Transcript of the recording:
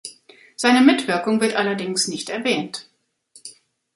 Seine Mitwirkung wird allerdings nicht erwähnt.